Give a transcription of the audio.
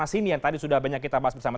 sini yang tadi sudah banyak kita bahas bersama